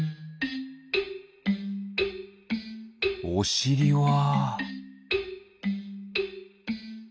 おしりは？